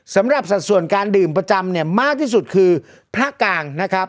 สัดส่วนการดื่มประจำเนี่ยมากที่สุดคือพระกลางนะครับ